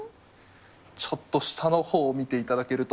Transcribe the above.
ちょっと下のほうを見ていただけると。